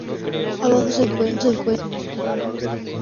Abajo se encuentra la lista de las canciones que contiene el disco.